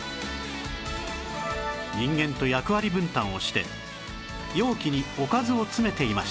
人間と役割分担をして容器におかずを詰めていました